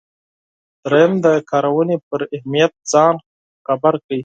دریم د کارونې پر اهمیت ځان خبر کړئ.